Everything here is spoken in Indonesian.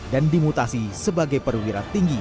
dan dimutasi sebagai perwira tinggi